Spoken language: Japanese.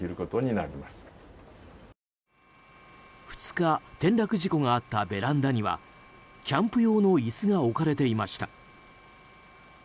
２日、転落事故があったベランダにはキャンプ用の椅子が置かれていました。